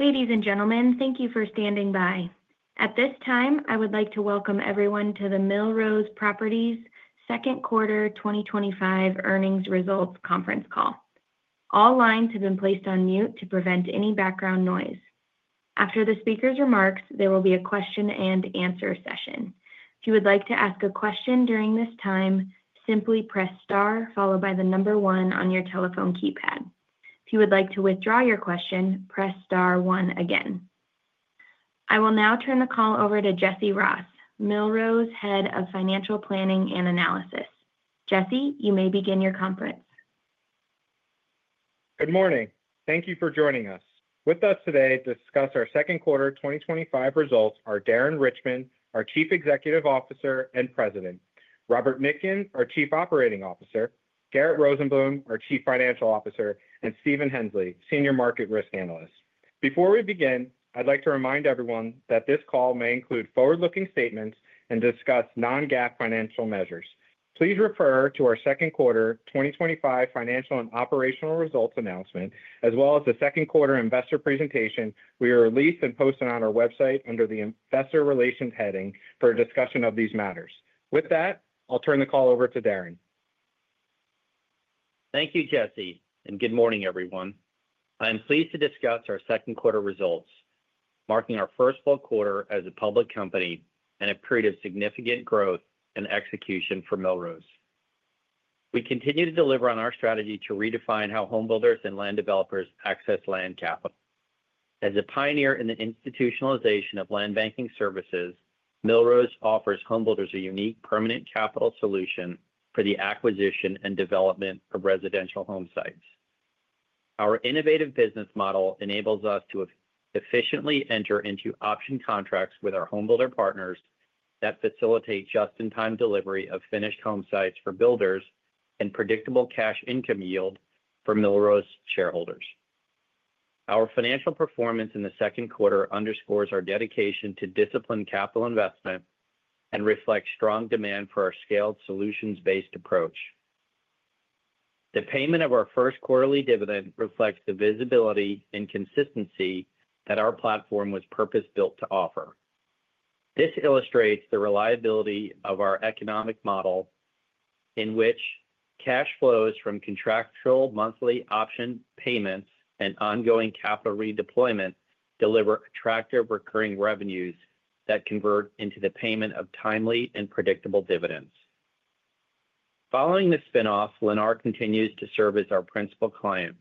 Ladies and gentlemen, thank you for standing by. At this time, I would like to welcome everyone to the Millrose Properties Q2 2025 Earnings Results Conference Call. All lines have been placed on mute to prevent any background noise. After the speakers' remarks, there will be a question and answer session. If you would like to ask a question during this time, simply press star followed by the number one on your telephone keypad. If you would like to withdraw your question, press star one again. I will now turn the call over to Jesse Ross, Millrose Head of Financial Planning and Analysis. Jesse, you may begin your conference. Good morning. Thank you for joining us. With us today to discuss our second-quarter 2025 results are Darren Richman, our Chief Executive Officer, and President Robert Nitkin, our Chief Operating Officer, Garett Rosenblum, our Chief Financial Officer, and Stephen Hensley, Senior Market Risk Analyst. Before we begin, I'd like to remind everyone that this call may include forward-looking statements and discuss non-GAAP financial measures. Please refer to our second-quarter 2025 financial and operational results announcement as well as the second quarter investor presentation we released and posted on our website under the Investor Relations heading for a discussion of these matters. With that, I'll turn the call over to Darren. Thank you Jesse, and good morning, everyone. I am pleased to discuss our second-quarter results marking our first full quarter as a public company and a period of significant growth and execution for Millrose. We continue to deliver on our strategy to redefine how homebuilders and land developers access land capital. As a pioneer in the institutionalization of land banking services, Millrose offers homebuilders a unique permanent capital solution for the acquisition and development of residential home sites. Our innovative business model enables us to efficiently enter into option contracts with our homebuilder partners that facilitate just-in-time delivery of finished home sites for builders and predictable cash income yield for Millrose shareholders. Our financial performance in the second quarter underscores our dedication to disciplined capital investment and reflects strong demand for our scaled solutions-based approach. The payment of our first quarterly dividend reflects the visibility and consistency that our platform was purpose-built to offer. This illustrates the reliability of our economic model in which cash flows from contractual monthly option payments and ongoing capital redeployment deliver attractive recurring revenues that convert into the payment of timely and predictable dividends. Following the spin-off, Lennar continues to serve as our principal client,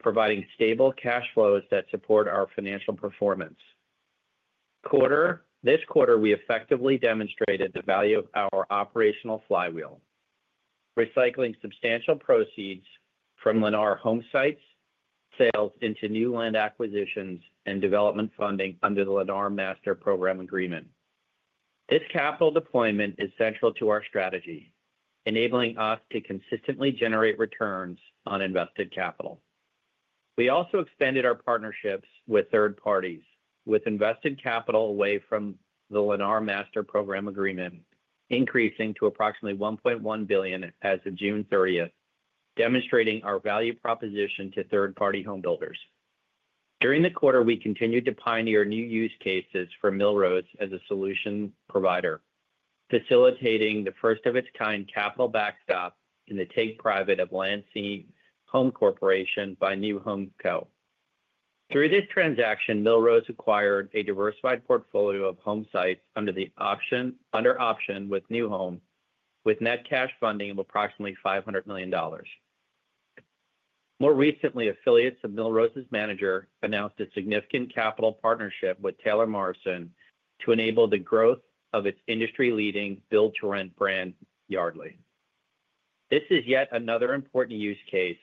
providing stable cash flows that support our financial performance. This quarter we effectively demonstrated the value of our operational flywheel, recycling substantial proceeds from Lennar home site sales into new land acquisitions and development funding under the Lennar Master Program Agreement. This capital deployment is central to our strategy, enabling us to consistently generate returns on invested capital. We also extended our partnerships with third parties, with invested capital away from the Lennar Master Program Agreement increasing to approximately $1.1 billion as of June 30, demonstrating our value proposition to third-party homebuilders. During the quarter we continued to pioneer new use cases for Millrose Properties as a solution provider, facilitating the first-of-its-kind capital backstop in the take-private of Landsea Homes Corporation by New Home Company. Through this transaction, Millrose Properties acquired a diversified portfolio of home sites under option with New Home Company with net cash funding of approximately $500 million. More recently, affiliates of Millrose's manager announced a significant capital partnership with Taylor Morrison to enable the growth of its industry leading build-to-rent brand Yardley. This is yet another important use case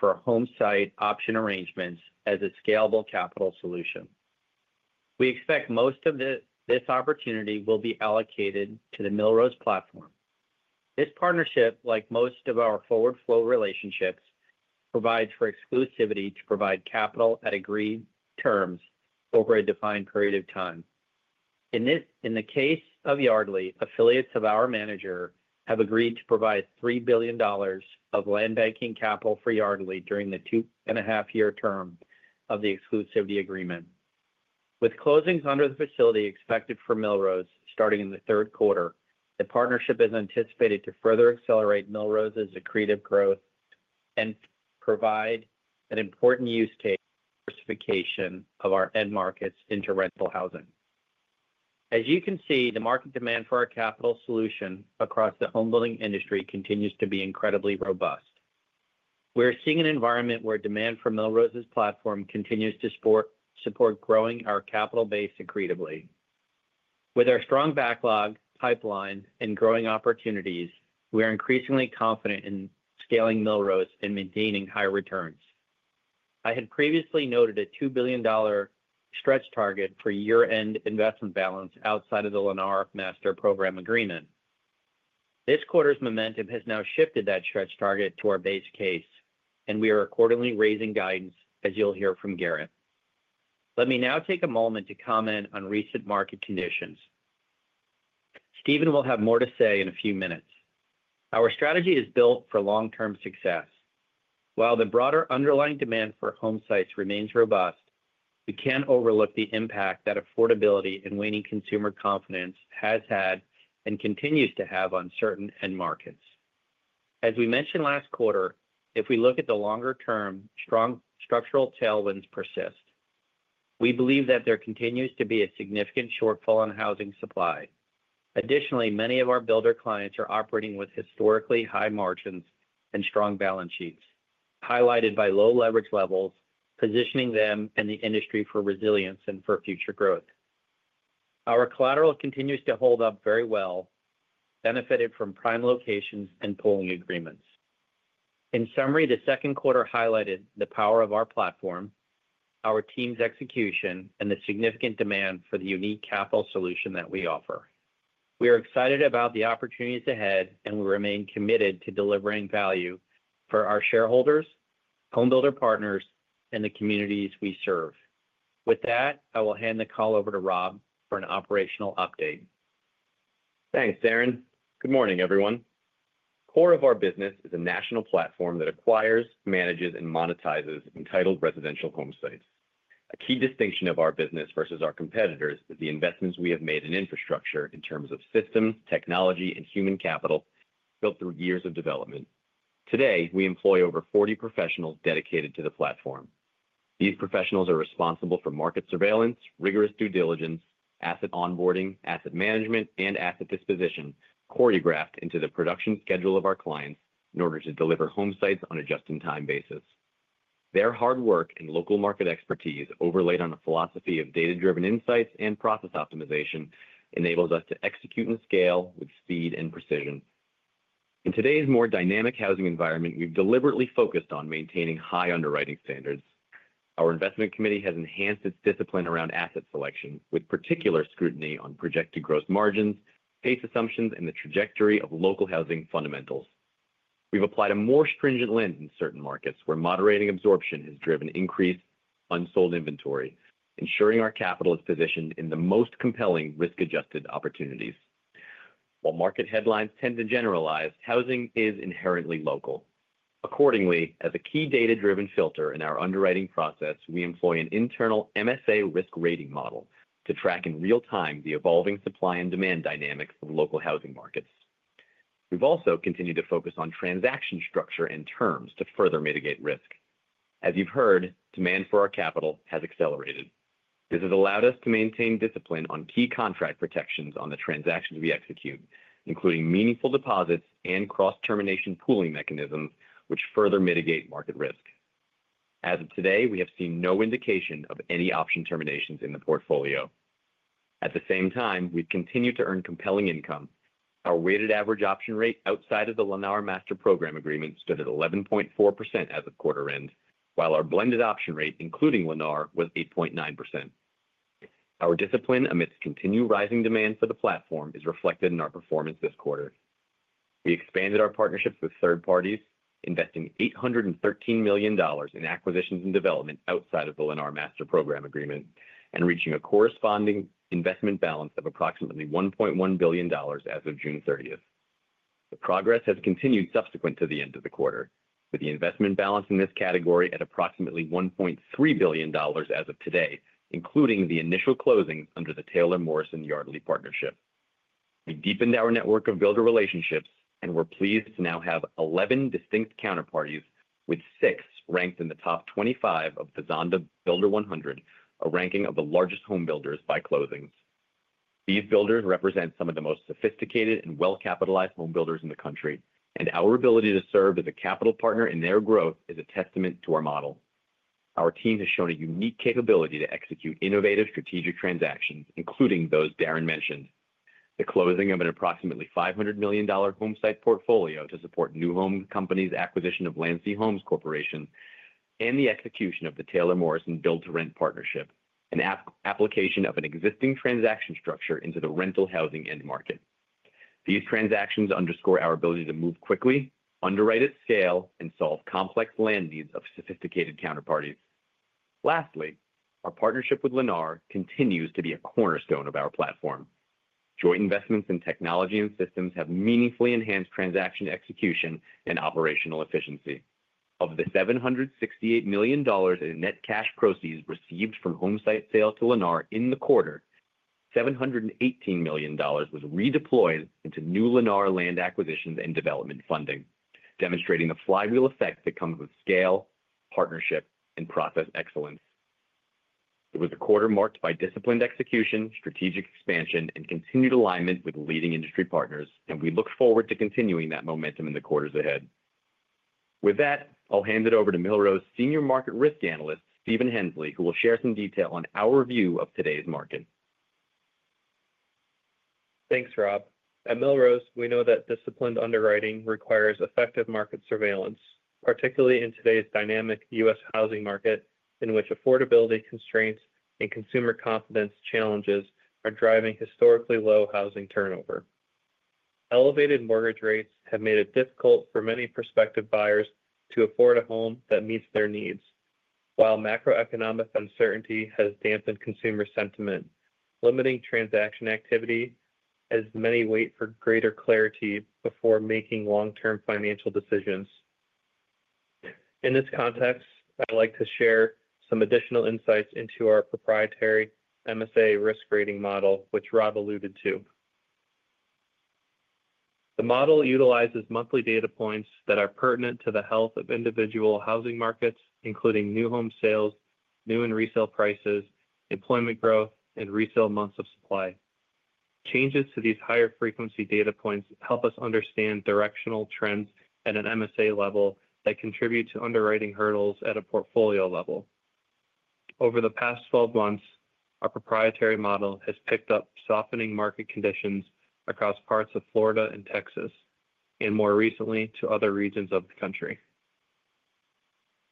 for Homesite Option Purchase Platform arrangements as a scalable capital solution. We expect most of this opportunity will be allocated to the Millrose platform. This partnership, like most of our forward flow relationships, provides for exclusivity to provide capital at agreed terms over a defined period of time. In the case of Yardley, affiliates of our manager have agreed to provide $3 billion of land banking capital for Yardley during the two-and-a-half-year term of the exclusivity agreement, with closings under the facility expected for Millrose starting in the third quarter. The partnership is anticipated to further accelerate Millrose's accretive growth and provide an important use case validation of our end markets into rental housing. As you can see, the market demand for our capital solution across the homebuilding industry continues to be incredibly robust. We are seeing an environment where demand for Millrose's platform continues to support growing our capital base accretively. With our strong backlog pipeline and growing opportunities, we are increasingly confident in scaling Millrose and maintaining high returns. I had previously noted a $2 billion stretch target for year-end investment balance outside of the Lennar Master Program Agreement. This quarter's momentum has now shifted that stretch target to our base case and we are accordingly raising guidance. As you'll hear from Garett, let me now take a moment to comment on recent market conditions. Stephen will have more to say in a few minutes. Our strategy is built for long-term success while the broader underlying demand for home sites remains robust. We can't overlook the impact that affordability and waning consumer confidence has had and continues to have on certain end markets. As we mentioned last quarter, if we look at the longer term, strong structural tailwinds persist. We believe that there continues to be a significant shortfall in housing supply. Additionally, many of our builder clients are operating with historically high margins and strong balance sheets highlighted by low leverage levels, positioning them and the industry for resilience and for future growth. Our collateral continues to hold up very well, benefited from prime locations and pooling agreements. In summary, the second quarter highlighted the power of our platform, our team's execution, and the significant demand for the unique capital solution that we offer. We are excited about the opportunities ahead, and we remain committed to delivering value for our shareholders, homebuilder partners, and the communities we serve. With that, I will hand the call over to Rob for an operational update. Thanks, Darren. Good morning, everyone. Core of our business is a national platform that acquires, manages, and monetizes entitled residential home sites. A key distinction of our business versus our competitors is the investments we have made in infrastructure in terms of systems, technology, and human capital built through years of development. Today, we employ over 40 professionals dedicated to the platform. These professionals are responsible for market surveillance, rigorous due diligence, asset onboarding, asset management, and asset disposition choreographed into the production schedule of our clients in order to deliver home sites on a just-in-time basis. Their hard work and local market expertise, overlaid on a philosophy of data-driven insights and process optimization, enables us to execute and scale with speed and precision in today's more dynamic housing environment. We've deliberately focused on maintaining high underwriting standards. Our Investment Committee has enhanced its discipline around asset selection, with particular scrutiny on projected gross margins, pace assumptions, and the trajectory of local housing fundamentals. We've applied a more stringent lens in certain markets where moderating absorption has driven increased unsold inventory, ensuring our capital is positioned in the most compelling risk-adjusted opportunities. While market headlines tend to generalize, housing is inherently local. Accordingly, as a key data-driven filter in our underwriting process, we employ an internal MSA risk-rating model to track in real time the evolving supply and demand dynamics of local housing markets. We've also continued to focus on transaction structure and terms to further mitigate risk. As you've heard, demand for our capital has accelerated. This has allowed us to maintain discipline on key contract protections on the transactions we execute, including meaningful deposits and cross-termination pooling mechanisms which further mitigate market risk. As of today, we have seen no indication of any option terminations in the portfolio. At the same time, we continue to earn compelling income. Our weighted-average option rate outside of the Lennar Master Program Agreement stood at 11.4% as of quarter end, while our blended option rate including Lennar was 8.9%. Our discipline amidst continued rising demand for the platform is reflected in our performance this quarter. We expanded our partnerships with third parties, investing $813 million in acquisitions and development outside of the Lennar Master Program Agreement and reaching a corresponding investment balance of approximately $1.1 billion as of June 30th. The progress has continued subsequent to the end of the quarter, with the investment balance in this category at approximately $1.3 billion as of today, including the initial closings under the Taylor Morrison Yardly partnership. We deepened our network of builder relationships and we're pleased to now have 11 distinct counterparties, with six ranked in the top 25 of the Zonda Builder 100, a ranking of the largest home builders by closings. These builders represent some of the most sophisticated and well-capitalized home builders in the country and our ability to serve as a capital partner in their growth is a testament to our model. Our team has shown a unique capability to execute innovative strategic transactions, including those Darren mentioned: the closing of an approximately $500 million home site portfolio to support New Home Company's acquisition of Landsea Homes Corporation and the execution of the Taylor Morrison build-to-rent partnership and application of an existing transaction structure into the rental housing end market. These transactions underscore our ability to move quickly, underwrite at scale, and solve complex land needs of sophisticated counterparties. Lastly, our partnership with Lennar continues to be a cornerstone of our platform. Joint investments in technology and systems have meaningfully enhanced transaction execution and operational efficiency. Of the $768 million in net cash proceeds received from homesite sales to Lennar in the quarter, $718 million was redeployed into new Lennar land acquisitions and development funding, demonstrating the flywheel effect that comes with scale, partnership, and process excellence. It was a quarter marked by disciplined execution, strategic expansion, and continued alignment with leading industry partners, and we look forward to continuing that momentum in the quarters ahead. With that, I'll hand it over to Millrose's Senior Market Risk Analyst, Stephen Hensley, who will share some detail on our view of today's market. Thanks, Rob. At Millrose, we know that disciplined underwriting requires effective market surveillance, particularly in today's dynamic U.S. housing market in which affordability constraints and consumer confidence challenges are driving historically low housing turnover. Elevated mortgage rates have made it difficult for many prospective buyers to afford a home that meets their needs, while macroeconomic uncertainty has dampened consumer sentiment, limiting transaction activity as many wait for greater clarity before making long-term financial decisions. In this context, I'd like to share some additional insights into our proprietary MSA risk-rating model, which Rob alluded to. The model utilizes monthly data points that are pertinent to the health of individual housing markets, including new home sales, new and resale prices, employment growth, and resale months of supply. Changes to these higher-frequency data points help us understand directional trends at an MSA level that contribute to underwriting hurdles at a portfolio level. Over the past 12 months, our proprietary model has picked up softening market conditions across parts of Florida and Texas and, more recently, to other regions of the country.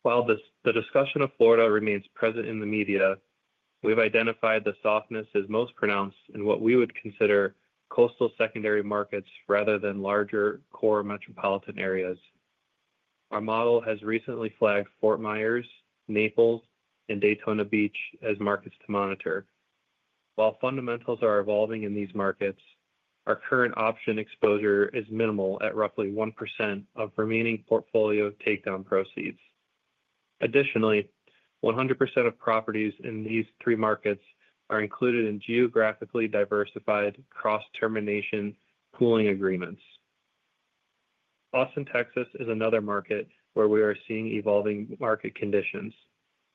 While the discussion of Florida remains present in the media, we've identified the softness is most pronounced in what we would consider coastal secondary markets rather than larger core metropolitan areas. Our model has recently flagged Fort Myers, Naples, and Daytona Beach as markets to monitor. While fundamentals are evolving in these markets, our current option exposure is minimal at roughly 1% of remaining portfolio takedown proceeds. Additionally, 100% of properties in these three markets are included in geographically diversified cross-termination pooling agreements. Austin, Texas is another market where we are seeing evolving market conditions,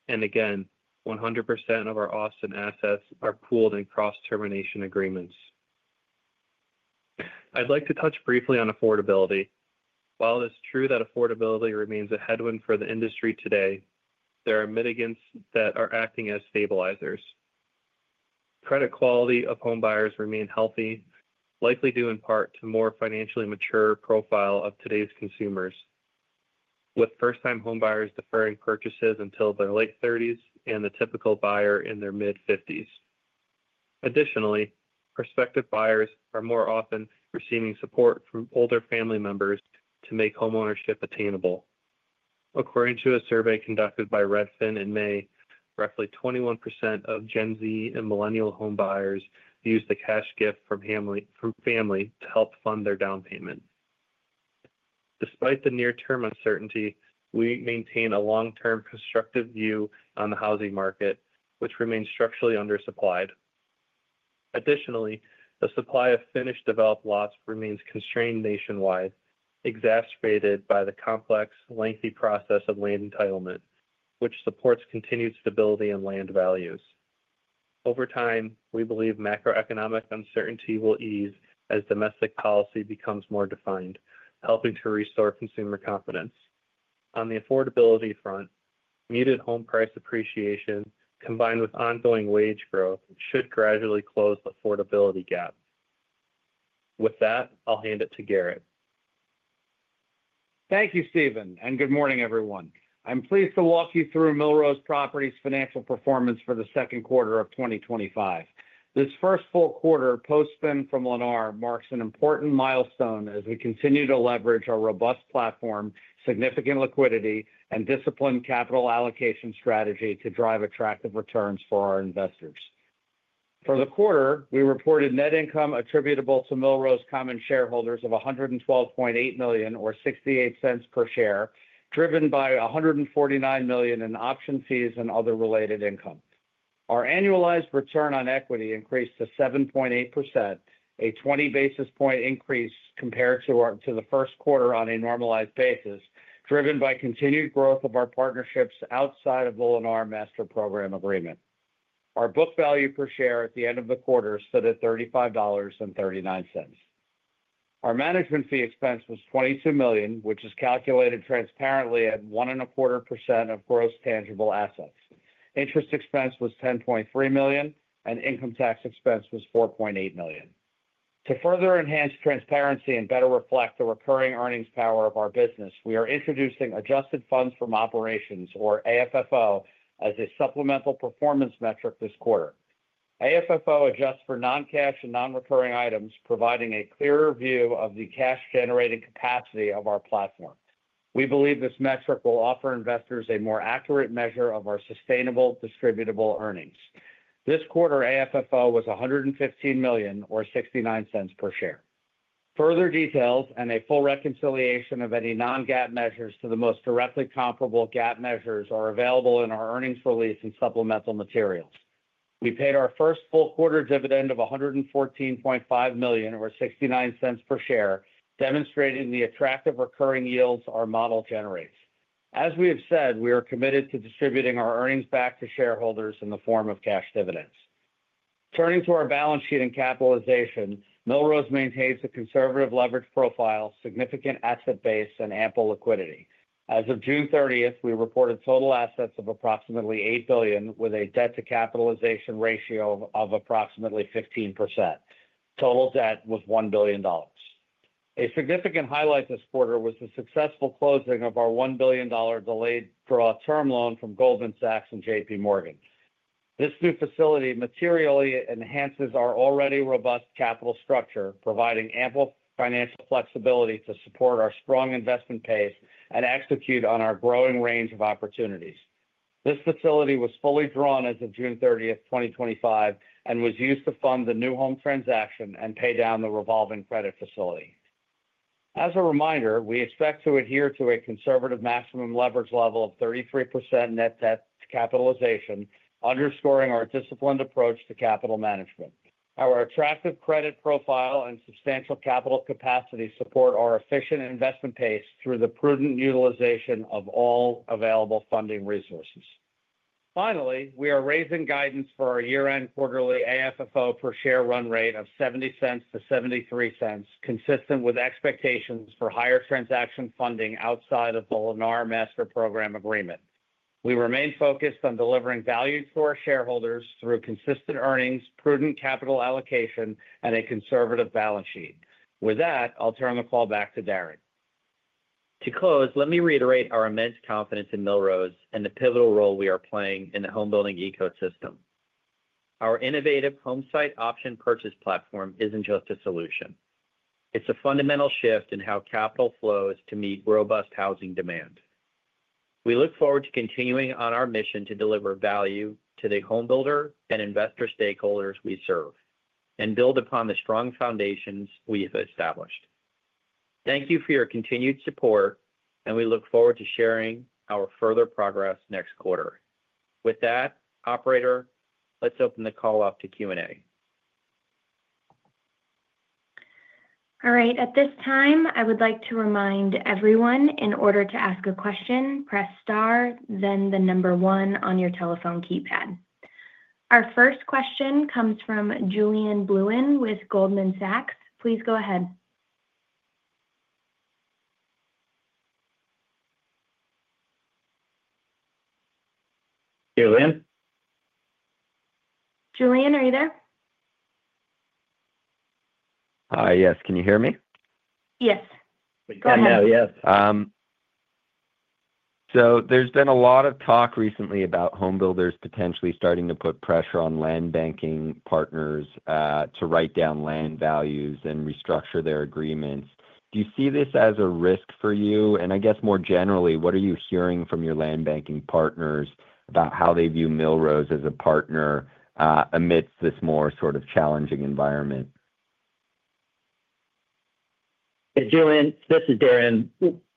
and again 100% of our Austin assets are pooled in cross-termination agreements. I'd like to touch briefly on affordability. While it is true that affordability remains a headwind for the industry today, there are mitigants that are acting as stabilizers. Credit quality of homebuyers remains healthy, likely due in part to a more financially mature profile of today's consumers, with first-time homebuyers deferring purchases until their late 30s and the typical buyer in their mid-50s. Additionally, prospective buyers are more often receiving support from older family members to make homeownership attainable. According to a survey conducted by Redfin in May, roughly 21% of Gen Z and Millennial homebuyers use a cash gift from family to help fund their down payment. Despite the near-term uncertainty, we maintain a long-term constructive view on the housing market, which remains structurally undersupplied. Additionally, the supply of finished developed lots remains constrained nationwide, exacerbated by the complex, lengthy process of land entitlement, which supports continued stability in land values over time. We believe macroeconomic uncertainty will ease as domestic policy becomes more defined, helping to restore consumer confidence. On the affordability front, muted home price appreciation combined with ongoing wage growth should gradually close the affordability gap. With that, I'll hand it to Garett. Thank you, Stephen, and good morning, everyone. I'm pleased to walk you through Millrose Properties' financial performance for the second quarter of 2025. This first full quarter post-spin from Lennar marks an important milestone as we continue to leverage our robust platform, significant liquidity, and disciplined capital allocation strategy to drive attractive returns for our investors. For the quarter, we reported net income attributable to Millrose common shareholders of $112.8 million, or $0.68 per share, driven by $149 million in option fees and other related income. Our annualized return on equity increased to 7.8%, a 20 basis point increase compared to the first quarter on a normalized basis, driven by continued growth of our partnerships outside of the Lennar Master Program Agreement. Our book value per share at the end of the quarter stood at $35.39. Our management fee expense was $22 million, which is calculated transparently at 1.25% of gross tangible assets. Interest expense was $10.3 million, and income tax expense was $4.8 million. To further enhance transparency and better reflect the recurring earnings power of our business, we are introducing Adjusted Funds from Operations, or AFFO, as a supplemental performance metric this quarter. AFFO adjusts for non-cash and non-recurring items, providing a clearer view of the cash-generating capacity of our platform. We believe this metric will offer investors a more accurate measure of our sustainable distributable earnings. This quarter, AFFO was $115 million, or $0.69 per share. Further details and a full reconciliation of any non-GAAP measures to the most directly comparable GAAP measures are available in our earnings release and supplemental materials. We paid our first full quarter dividend of $114.5 million, or $0.69 per share, demonstrating the attractive recurring yields our model generates. As we have said, we are committed to distributing our earnings back to shareholders. In the form of cash dividends. Turning to our balance sheet and capitalization, Millrose maintains a conservative leverage profile, significant asset base, and ample liquidity. As of June 30, we reported total assets of approximately $8 billion with a debt-to-capitalization ratio of approximately 15%. Total debt was $1 billion. A significant highlight this quarter was the successful closing of our $1 billion delayed-draw term loan from Goldman Sachs and JPMorgan. This new facility materially enhances our already robust capital structure, providing ample financial flexibility to support our strong investment pace and execute on our growing range of opportunities. This facility was fully drawn as of June 30th, 2025, and was used to fund the New Home Company transaction and pay down the revolving credit facility. As a reminder, we expect to adhere to a conservative maximum leverage level of 33% net debt-to-capitalization, underscoring our disciplined approach to capital management. Our attractive credit profile and substantial capital capacity support our efficient investment pace through the prudent utilization of all available funding resources. Finally, we are raising guidance for our year-end quarterly AFFO per share run rate of $0.70 to $0.73, consistent with expectations for higher transaction funding outside of the Lennar Master Program Agreement. We remain focused on delivering value to our shareholders through consistent earnings, prudent capital allocation, and a conservative balance sheet. With that, I'll turn the call back to Darren. To close, let me reiterate our immense confidence in Millrose and the pivotal role we are playing in the homebuilding ecosystem. Our innovative Homesite Option Purchase Platform isn't just a solution. It's a fundamental shift in how capital flows to meet robust housing demand. We look forward to continuing on our mission to deliver value to the homebuilder and investor stakeholders we serve and build upon the strong foundations we have established. Thank you for your continued support, and we look forward to sharing our further progress next quarter. With that, Operator, let's open the call up to Q&A. All right. At this time I would like to remind everyone, in order to ask a question, press star, then the number one on your telephone keypad. Our first question comes from Julian Blouin with Goldman Sachs. Please go ahead. Hello? Julian, are you there? Yes, can you hear me? Yes. There has been a lot of talk recently about home builders potentially starting to put pressure on land banking partners to write down land values and restructure their agreements. Do you see this as a risk for you? More generally, what are you hearing from your land banking partners about how they view Millrose as a partner amidst this more sort of challenging environment? Julian, this is Darren.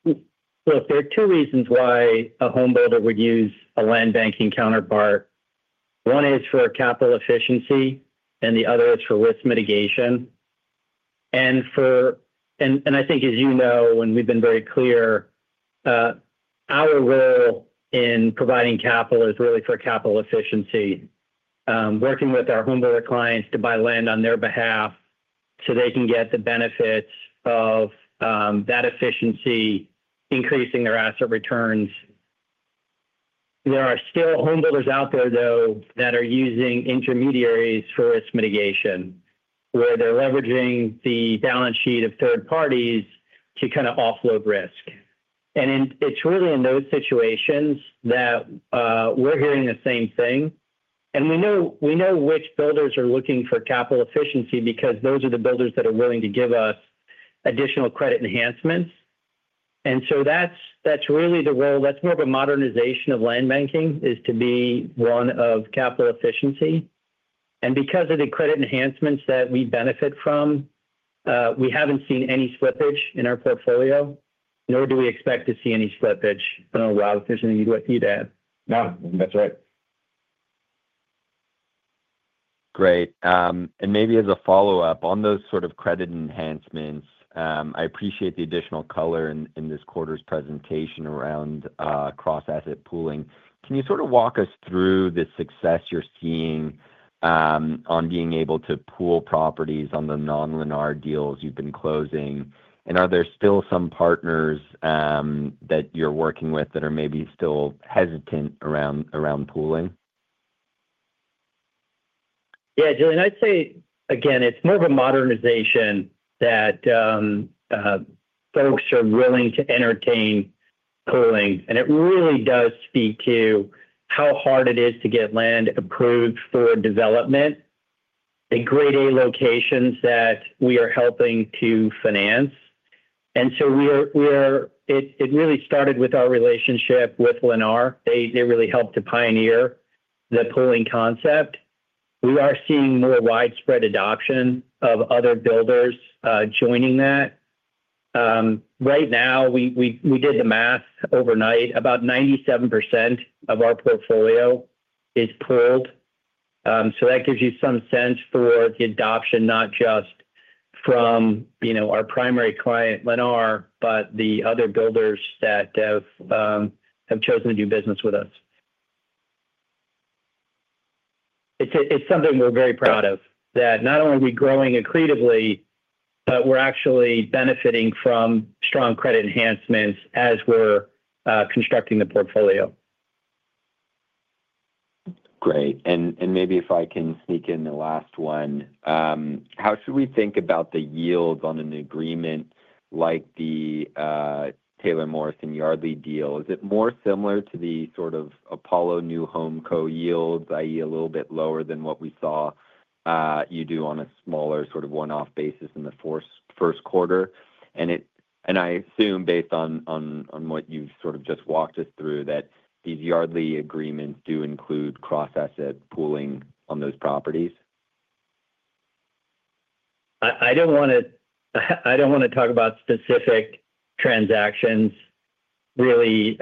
There are two reasons why a home builder would use a land banking counterpart. One is for capital efficiency and the other is for risk mitigation. I think, as you know, and we've been very clear, our role in providing capital is really for capital efficiency, working with our homebuilder clients to buy land on their behalf so they can get the benefits of that efficiency, increasing their asset returns. There are still home builders out there though that are using intermediaries for risk mitigation where they're leveraging the balance sheet of third parties to kind of offload risk. It's really in those situations that we're hearing the same thing. We know which builders are looking for capital efficiency because those are the builders that are willing to give us additional credit enhancements. That's really the role, that's more of a modernization of land banking, to be one of capital efficiency. Because of the credit enhancements that we benefit from, we haven't seen any slippage in our portfolio nor do we expect to see any slippage. I don't know, Rob, if there's anything to add. No, that's right. Great. Maybe as a follow-up on those sort of credit enhancements, I appreciate the additional color in this quarter's presentation around cross-asset pooling. Can you sort of walk us through the success you're seeing on being able to pool properties on the non-Lennar deals you've been closing, and are there still some partners that you're working with that are maybe still hesitant around pooling? Yeah, Julian, I'd say again it's more of a modernization that folks are willing to entertain, and it really does speak to how hard it is to get land approved for development in the Grade A locations that we are helping to finance. It really started with our relationship with Lennar. They really helped to pioneer the pooling concept. We are seeing more widespread adoption of other builders joining that right now. We did the math overnight. About 97% of our portfolio is pooled. That gives you some sense for the adoption not just from our primary client, Lennar, but the other builders that have chosen to do business with us. It's something we're very proud of, that not only are we growing accretively, but we're actually benefiting from strong credit enhancements as we're constructing the portfolio. Great. Maybe if I can sneak in the last one, how should we think about the yields on an agreement like the Taylor Morrison Yardly deal? Is it more similar to the sort of Apollo New Home Company yield that is a little bit lower than what we saw you do on a smaller sort of one-off basis in the first quarter? I assume based on what you've just walked us through that these Yardly agreements do include cross-asset pooling on those properties? I don't want to talk about specific transactions really,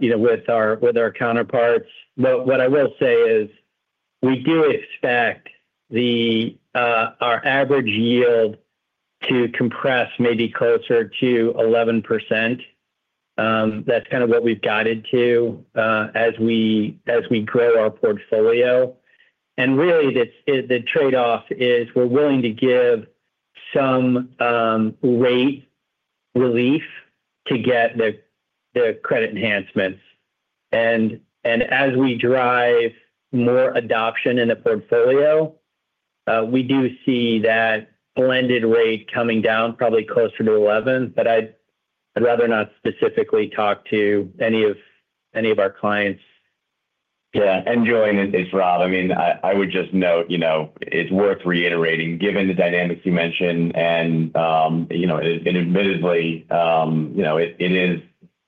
you know, with our counterparts. What I will say is we do expect our average yield to compress maybe closer to 11%. That's kind of what we've guided to as we grow our portfolio. The trade off is we're willing to give some rate relief to get the credit enhancements. And as we drive more adoption in the portfolio, we do see that blended rate coming down probably closer to 11%. I'd rather not specifically talk to any of our clients. Yeah, and just to join, it's Rob. I would just note, you know, it's worth reiterating given the dynamics you mentioned, and admittedly, it is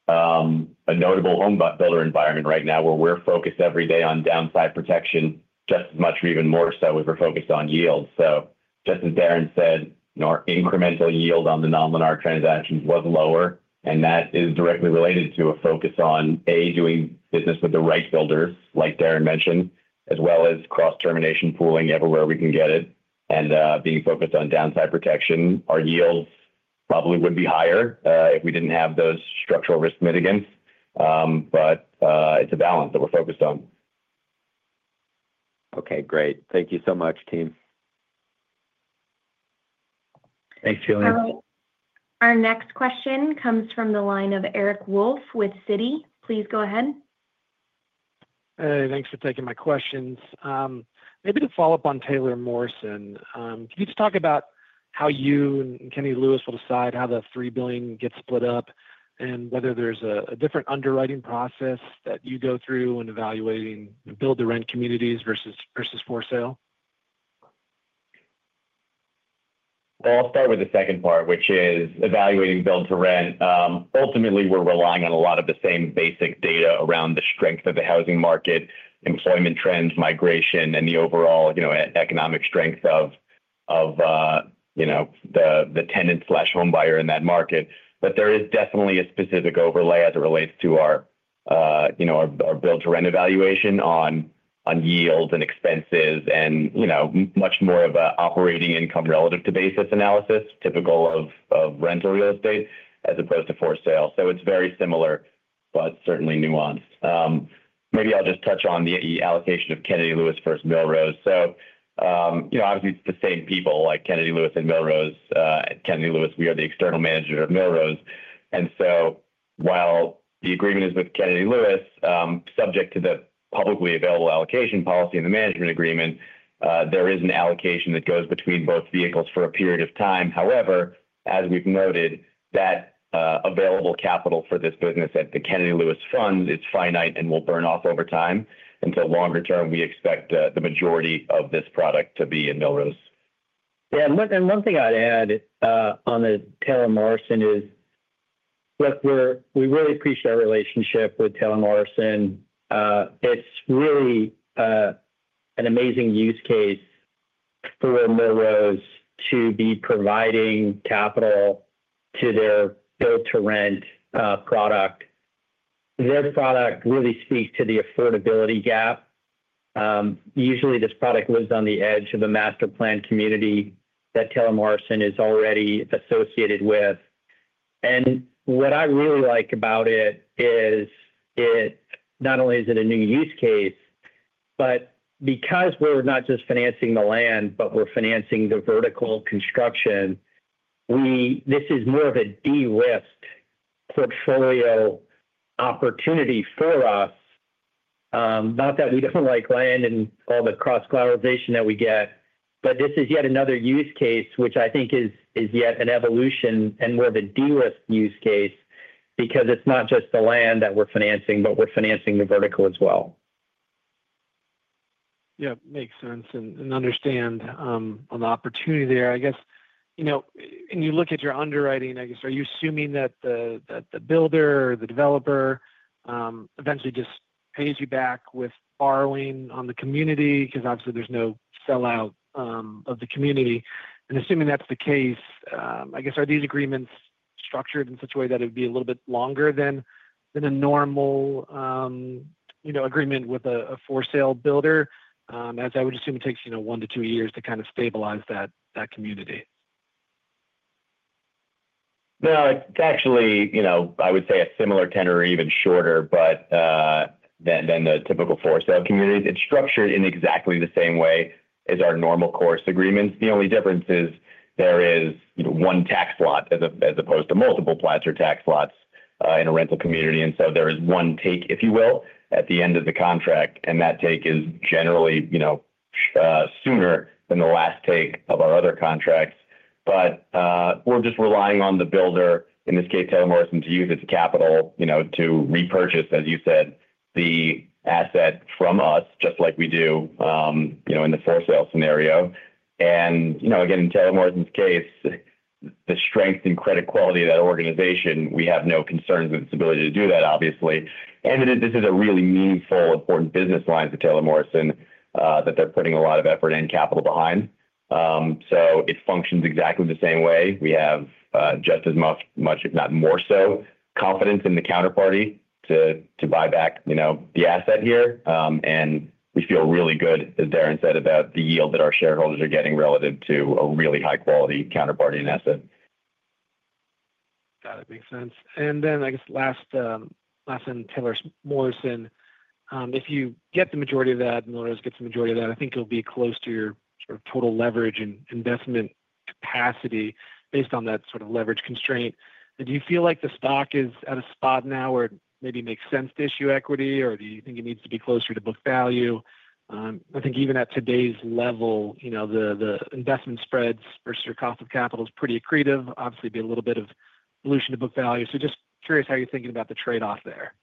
a notable homebuilder environment right now where we're focused every day on downside protection just as much or even more so than we're focused on yield. Just as Darren said, our incremental yield on the non-Lennar transactions was lower, and that is directly related to a focus on doing business with the right builders like Darren mentioned, as well as cross-asset pooling everywhere we can get it and being focused on downside protection. Our yield probably would be higher if we didn't have those structural risk mitigants, but it's a balance that we're focused on. Okay, great. Thank you so much, team. Thanks, Julian. Our next question comes from the line of Eric Wolfe with Citi. Please go ahead. Hey, thanks for taking my questions. Maybe to follow-up on Taylor Morrison, can you just talk about how you and Kennedy Lewis will decide how the $3 billion gets split up and whether there's a different underwriting process that you go through in evaluating build-to-rent communities versus for sale. I'll start with the second part which is evaluating build-to-rent. Ultimately we're relying on a lot of the same basic data around the strength of the housing market, employment trends, migration, and the overall economic strength of, you know, the tenant slash home buyer in that market. There is definitely a specific overlay as it relates to our build to rent evaluation on yield and expenses and, you know, much more of an operating income relative to basis analysis typical of rental real estate as opposed to for sale. It's very similar but certainly nuanced. Maybe I'll just touch on the allocation of Kennedy Lewis versus Millrose. Obviously it's the same people like Kennedy Lewis and Millrose. Kennedy Lewis, we are the external manager of Millrose. While the agreement is with Kennedy Lewis subject to the publicly available allocation policy in the management agreement, there is an allocation that goes between both vehicles for a period of time. However, as we've noted, that available capital for this business at the Kennedy Lewis Fund, it's finite and will burn off over time. Until longer term we expect the majority of this product to be in Millrose. Yeah, and one thing I'd add on the Taylor Morrison is look, we really appreciate our relationship with Taylor Morrison. It's really an amazing use case for Millrose to be providing capital to their build-to-rent product. Their product really speaks to the affordability gap. Usually, this product lives on the edge of a master plan community that Taylor Morrison is already associated with. What I really like about it is, not only is it a new use case, but because we're not just financing the land, but we're financing the vertical construction, this is more of a de-risked portfolio opportunity for us. Not that we don't like land and all the cross-collateralization that we get, but this is yet another use case which I think is yet an evolution and more of a deal of use case because it's not just the land that we're financing, but we're financing. The vertical as well. Yeah, makes sense. I understand the opportunity there. I guess, you know, when you look at your underwriting, are you assuming that the builder or the developer eventually just pays you back with borrowing on the community? Because obviously there's no sellout of the community. Assuming that's the case, are these agreements structured in such a way that it would be a little bit longer than a normal agreement with a for sale builder, as I would assume it takes one to two years to kind of stabilize that community. No, it's actually, you know, I would say a similar tenor, even shorter. Then the typical for sale communities, it's structured in exactly the same way as our normal-course agreements. The only difference is there is one tax lot as opposed to multiple platted tax lots in a rental community. There is one take, if you will, at the end of the contract. That take is generally, you know, sooner than the last take of our other contracts. We're just relying on the builder, in this case Taylor Morrison, to use its capital, you know, to repurchase, as you said, the asset from us, just like we do, you know, in the for-sale scenario. In Taylor Morrison's case, the strength and credit quality of that organization, we have no concerns with its ability to do that, obviously. This is a really meaningful, important business line for Taylor Morrison that they're putting a lot of effort and capital behind. It functions exactly the same way. We have just as much, if not more so, confidence in the counterparty to buy back, you know, the asset here. We feel really good, as Darren said, about the yield that our shareholders are getting relative to a really high-quality counterparty in asset. That makes sense. I guess, last question, Taylor Morrison, if you get the majority of that, Millrose gets the majority of that, I think it'll be close to your sort of total leverage and investment capacity. Based on that sort of leverage constraint, do you feel like the stock is at a spot now where it maybe makes sense to issue equity or do you think it needs to be closer to book value? I think even at today's level, the investment spreads versus your cost of capital is pretty accretive. Obviously, there would be a little bit of dilution to book value. Just curious how you're thinking about the trade off there.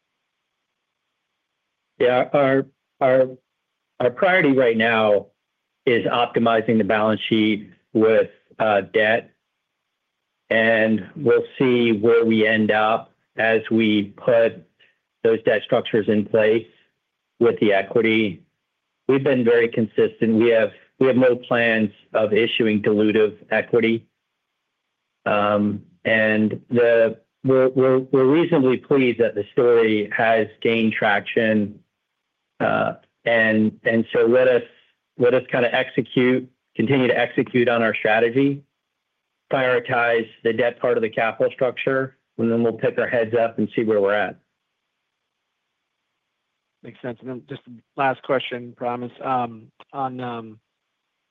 Our priority right now is optimizing the balance sheet with debt, and we'll see where we end up as we put those debt structures in place with the equity. We've been very consistent. We have no plans of issuing dilutive equity, and we're reasonably pleased that the story has gained traction. Let us kind of execute, continue to execute on our strategy, prioritize the debt part of the capital structure, and then we'll pick our heads up and see where we're at. Makes sense. Just last question, promise, on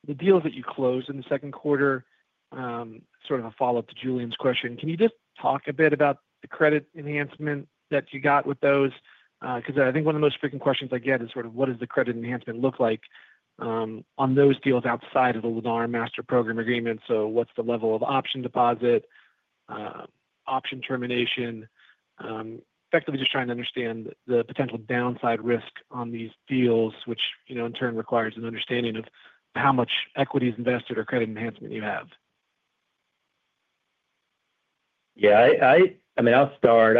the deals that you closed in the second quarter, sort of a follow up to Julian's question. Can you just talk a bit about the credit enhancement that you got with those? I think one of the most frequent questions I get is sort of what does the credit enhancement look like on those deals outside of the Lennar Master Program Agreement? What's the level of option deposit, option termination? Effectively just trying to understand the potential downside risk on these deals, which, you know, in turn requires an understanding of how much equity is invested or credit enhancement you have. Yeah, I mean, I'll start.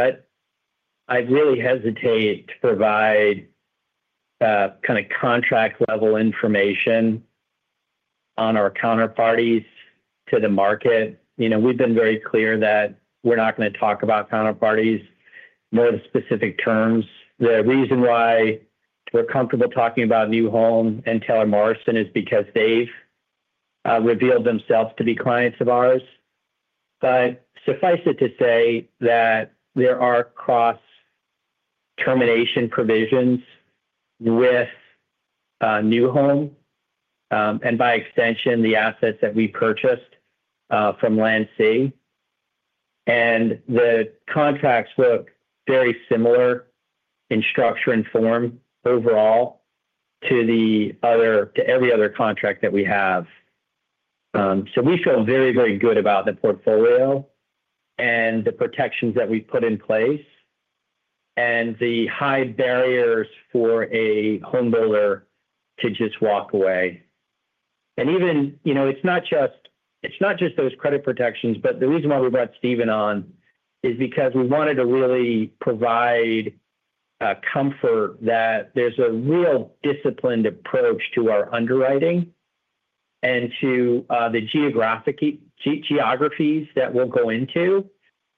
I really hesitate to provide. Kind. Of contract-level information on our counterparties to the market. You know, we've been very clear that we're not going to talk about counterparties, more specific terms. The reason why comfortable talking about New Home and Taylor Morrison is because they've revealed themselves to be clients of ours. Suffice it to say that there are cross termination provisions with New Home and by extension the assets that we purchased from Landsea, and the contracts look very similar in structure and form overall to every other contract that we have. We feel very, very good about the portfolio and the protections that we put in place and the high barriers for a home builder to just walk away. Even, you know, it's not just those credit protections. The reason why we brought Stephen on is because we wanted to really provide comfort that there's a real disciplined approach to our underwriting and to the geographies that we'll go into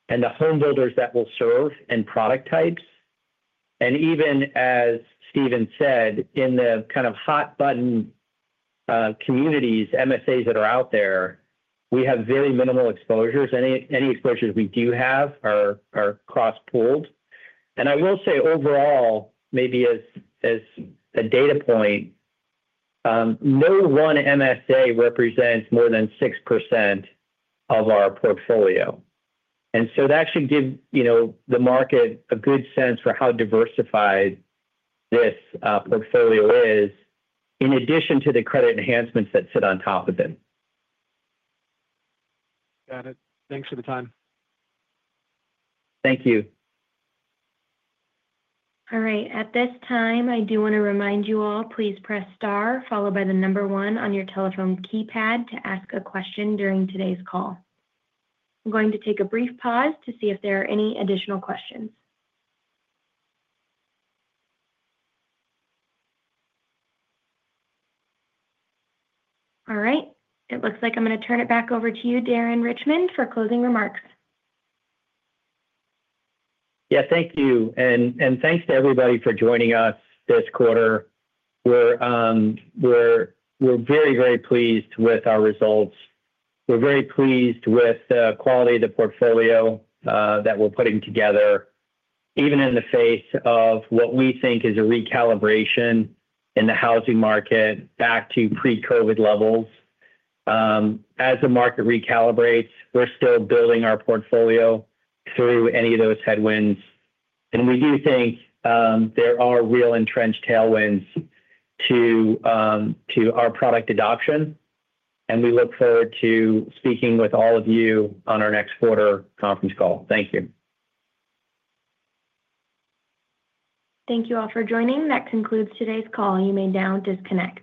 and the home builders that we'll serve and product types. Even as Stephen said, in the kind of hot button communities MSAs that are out there, we have very minimal exposures. Any exposures we do have are cross pooled. I will say overall, maybe as a data point, no one MSA represents more than 6% of our portfolio. That should give the market a good sense for how diversified this portfolio is in addition to the credit enhancements that sit on top of it. Got it. Thanks for the time. Thank you. All right, at this time, I do want to remind you all, please press star followed by the number one on your telephone keypad to ask a question during today's call. I'm going to take a brief pause to see if there are any additional questions. All right, it looks like I'm going to turn it back over to you, Darren Richman, for closing remarks. Thank you. Thanks to everybody for joining us this quarter. We're very, very pleased with our results. We're very pleased with the quality of the portfolio that we're putting together, even in the face of what we think is a recalibration in the housing market back to pre-COVID levels. As the market recalibrates, we're still building our portfolio through any of those headwinds. We do think there are real entrenched tailwinds to our product adoption. We look forward to speaking with all of you on our next quarter conference call. Thank you. Thank you all for joining. That concludes today's call. You may now disconnect.